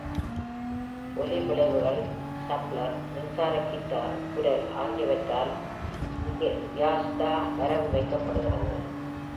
ஒலி விளைவுகள், சம்ப்ளர், மின்சார கிட்டார், குரல் ஆகியவற்றால் க்வியாஸ்டா வரவு வைக்கப்பட்டுள்ளது.